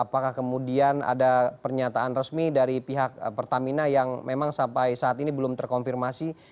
apakah kemudian ada pernyataan resmi dari pihak pertamina yang memang sampai saat ini belum terkonfirmasi